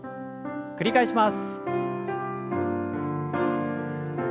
繰り返します。